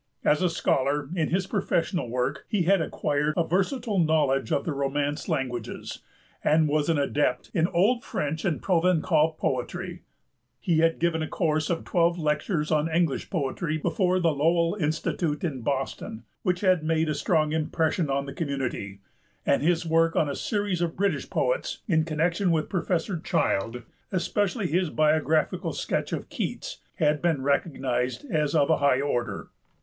As a scholar, in his professional work, he had acquired a versatile knowledge of the Romance languages, and was an adept in old French and Provençal poetry; he had given a course of twelve lectures on English poetry before the Lowell Institute in Boston, which had made a strong impression on the community, and his work on the series of British Poets in connection with Professor Child, especially his biographical sketch of Keats, had been recognized as of a high order.